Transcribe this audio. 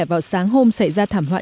vào sáng hôm xảy ra thảm họa